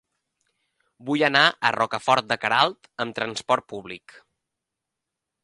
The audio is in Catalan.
Vull anar a Rocafort de Queralt amb trasport públic.